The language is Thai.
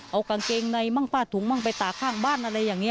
เอากางเกงในมั่งฟาดถุงมั่งไปตากข้างบ้านอะไรอย่างนี้